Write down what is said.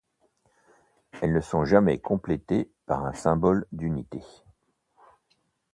Elles ne sont jamais complétées par un symbole d'unité.